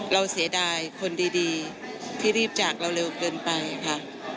เสียดายคนดีที่รีบจากเราเร็วเกินไปค่ะ